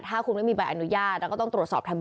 ถ้าคุณไม่มีใบอนุญาต